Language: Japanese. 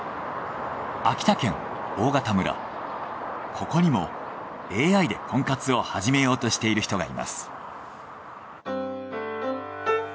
ここにもＡＩで婚活を始めようとしている人がいます。